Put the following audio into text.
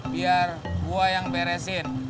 biar gue yang beresin